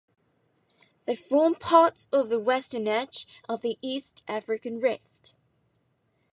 They form part of the western edge of the East African Rift.